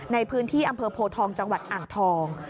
ในพื้นที่อำเภอโพทองจังหวัดอ่างทอง